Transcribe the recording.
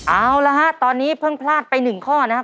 เอาละฮะตอนนี้เพิ่งพลาดไป๑ข้อนะครับ